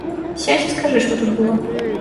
Сядзь і скажы, што тут было.